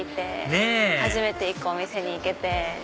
ねぇ初めて行くお店に行けて。